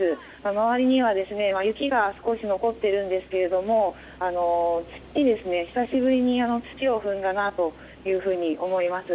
周りには雪が少し残っているんですけども久しぶりに土を踏んだなと思います。